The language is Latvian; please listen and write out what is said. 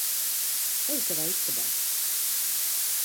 Ej savā istabā.